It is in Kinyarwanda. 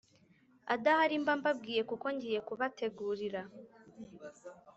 Adahari mba mbabwiye kuko ngiye kubategurira